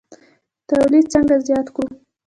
تولید څنګه زیات کړو؟